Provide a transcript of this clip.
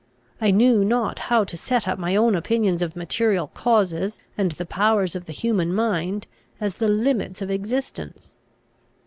I knew not how to set up my own opinions of material causes and the powers of the human mind, as the limits of existence.